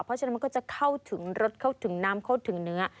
เพราะฉะนั้นมันก็จะเข้าถึงรสเข้าถึงน้ำเข้าถึงเนื้อ